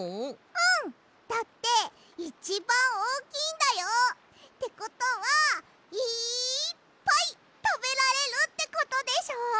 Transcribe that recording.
うん！だっていちばんおおきいんだよ！ってことはいっぱいたべられるってことでしょ！